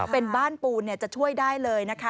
เป็นบ้านปูนจะช่วยได้เลยนะคะ